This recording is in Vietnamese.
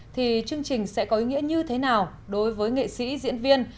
thì chương trình sẽ có ý nghĩa như thế nào đối với nghệ sĩ diễn viên